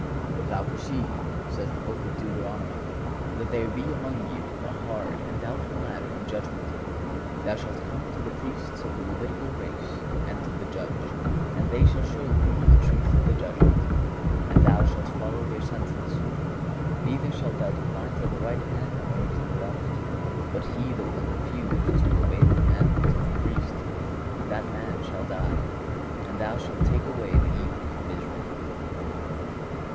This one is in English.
"If thou perceive," says the Book of Deuteronomy, "that there be among you a hard and doubtful matter in judgment, ... thou shalt come to the Priests of the Levitical race and to the judge, ... and they shall show thee the truth of the judgment.... And thou shalt follow their sentence; neither shalt thou decline to the right hand, nor to the left.... But he that will ... refuse to obey the commandment of the Priest, ... that man shall die, and thou shalt take away the evil from Israel."